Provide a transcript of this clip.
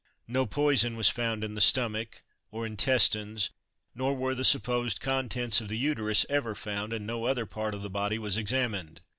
No poison was found in the stomach or intestines, nor were the supposed contents of the uterus ever found, and no other part of the body was examined.